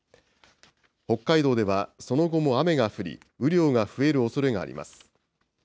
北海道ではその後も雨が降り、雨量が増えるおそれがあります。